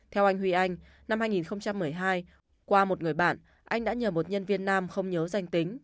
theo anh huy anh năm hai nghìn một mươi hai qua một người bạn anh đã nhờ một nhân viên nam không nhớ danh tính